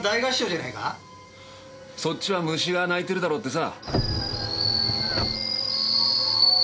そっちは虫が鳴いてるだろうってさ。